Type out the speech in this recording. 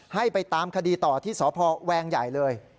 ให้ไปตามคดีต่อที่สพแวงใหญ่เลย